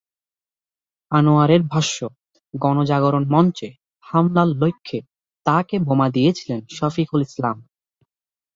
আনোয়ারের ভাষ্য, গণজাগরণ মঞ্চে হামলার লক্ষ্যে তাঁকে বোমা দিয়েছিলেন শফিকুল ইসলাম।